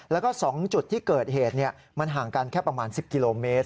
แล้วก็๒จุดที่เกิดเหตุมันห่างกันแค่ประมาณ๑๐กิโลเมตร